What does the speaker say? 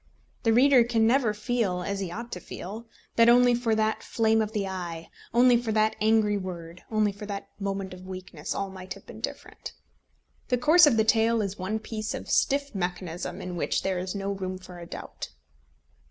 The reader can never feel as he ought to feel that only for that flame of the eye, only for that angry word, only for that moment of weakness, all might have been different. The course of the tale is one piece of stiff mechanism, in which there is no room for a doubt.